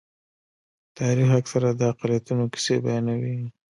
تاریخ اکثره د اقلیتونو کیسې بیانوي.